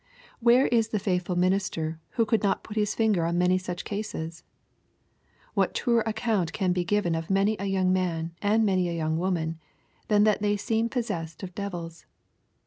Where is the faithful minis ter who could not put his finger on many such cases ? What truer account can be given of many a young man, and many a youDg woman, than that they seem possessed of devils